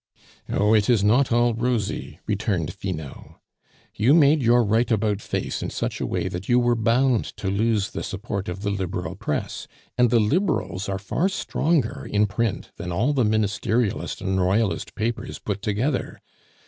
"Oh, it is not all rosy," returned Finot. "You made your right about face in such a way that you were bound to lose the support of the Liberal press, and the Liberals are far stronger in print than all the Ministerialist and Royalist papers put together.